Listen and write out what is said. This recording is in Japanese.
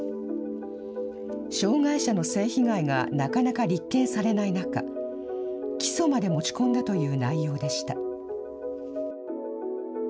障害者の性被害がなかなか立件されない中、起訴まで持ち込んだという内容でした。